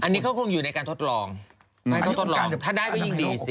อันนี้เขาคงอยู่ในการทดลองไม่ต้องทดลองถ้าได้ก็ยิ่งดีสิ